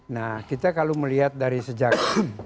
nah kita kalau melihat dari sejak